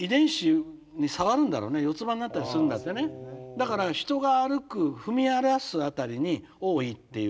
だから人が歩く踏み荒らす辺りに多いっていう。